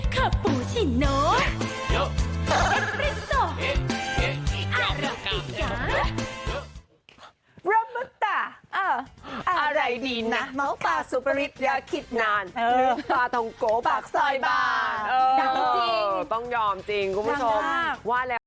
คุณผู้ชมยอมจริงคุณผู้ชมว่าแล้ว